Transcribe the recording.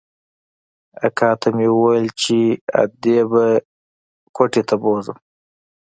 اکا ته مې وويل چې ادې به کوټې ته بوځم.